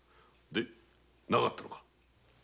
で無かったのか？